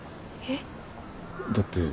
えっ。